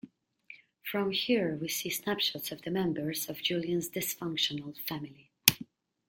From here, we see snapshots of the members of Julien's dysfunctional family.